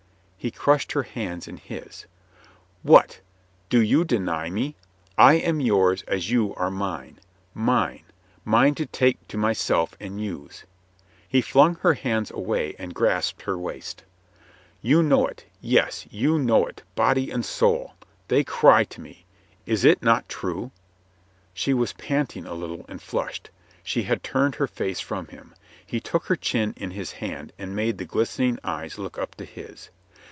He crushed her hands in his. "What ! Do you deny me? I am yours as you are mine. Mine — mine to take to myself and use." He flung her hands away and grcisped her waist. "You know it — ^yes, you know it, body and soul ! They cry to me. Is it not true?" She was panting a little and flushed. She had turned her face from him. He took her chin in his hand .and made the glistening eyes look up to his.